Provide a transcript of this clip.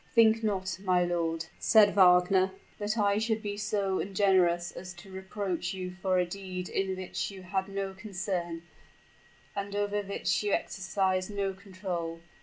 "Think not, my lord," said Wagner, "that I should be so ungenerous as to reproach you for a deed in which you had no concern, and over which you exercised no control.